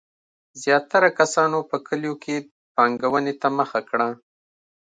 زیاتره کسانو په کلیو کې پانګونې ته مخه کړه.